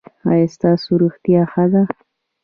ایا ستاسو روغتیا ښه ده؟